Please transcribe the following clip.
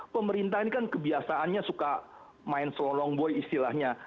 pemerintah ini kan kebiasaannya suka main slolong boy istilahnya